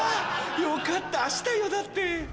よかった明日よだって。